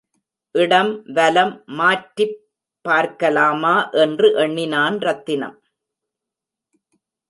இடம் வலம் மாற்றிப் பார்க்கலாமா என்று எண்ணினான் ரத்தினம்.